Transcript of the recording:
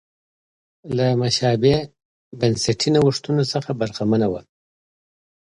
له مشابه بنسټي نوښتونو څخه برخمنه وه.